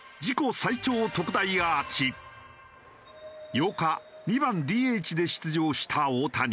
８日２番ＤＨで出場した大谷。